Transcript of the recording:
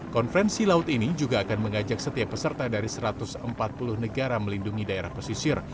konferensi laut ini juga akan mengajak setiap peserta dari satu ratus empat puluh negara melindungi daerah pesisir